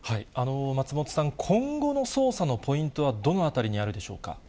松本さん、今後の捜査のポイントはどのあたりにあるでしょうか。